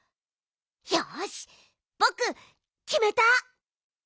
よしぼくきめた！